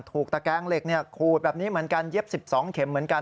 ตะแกงเหล็กขูดแบบนี้เหมือนกันเย็บ๑๒เข็มเหมือนกัน